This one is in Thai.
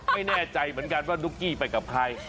ไม่แน่ใจเหมือนกันว่าดุ๊กกี้ไปกับใคร